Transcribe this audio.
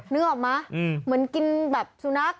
นึกออกมั้ยเหมือนกินแบบสุนัข